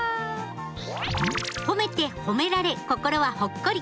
褒めて褒められ心はほっこり。